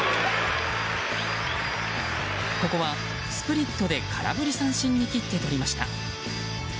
ここはスプリットで空振り三振に切ってとりました。